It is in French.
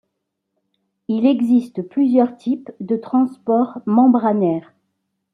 Il existe plusieurs types de transport membranaire.